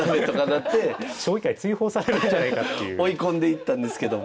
追い込んでいったんですけども。